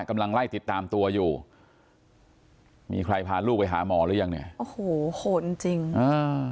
กำลังไล่ติดตามตัวอยู่มีใครพาลูกไปหาหมอหรือยังเนี่ยโอ้โหโหดจริงอ่า